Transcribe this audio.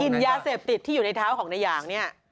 กินยาเสพติดที่อยู่ในเท้าของในอย่างนี่